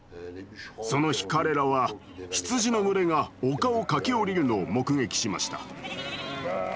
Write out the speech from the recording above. その日彼らは羊の群れが丘を駆け下りるのを目撃しました。